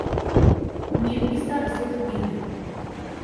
Нет, не старость этому имя!